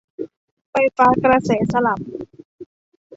ไฟฟ้ากระแสสลับ